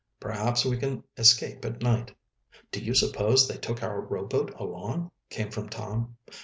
Perhaps we can escape at night." "Do you suppose they took our rowboat along?" came from Tom.